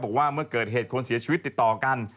บอกว่าเมื่อเกิดเหตุคนเสียชีวิตติดต่อกัน